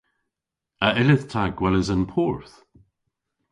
A yllydh ta gweles an porth?